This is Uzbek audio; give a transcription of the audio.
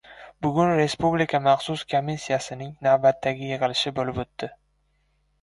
Bugun respublika maxsus komissiyasining navbatdagi yig‘ilishi bo‘lib o‘tdi.